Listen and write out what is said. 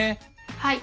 はい。